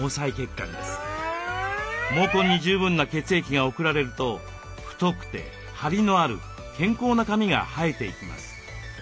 毛根に十分な血液が送られると太くてハリのある健康な髪が生えていきます。